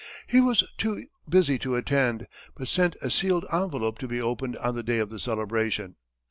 He was too busy to attend, but sent a sealed envelope to be opened on the day of the celebration.